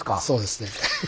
そうですね。